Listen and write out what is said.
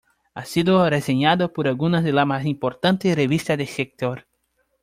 Ha sido reseñado por algunas de las más importantes revistas del sector.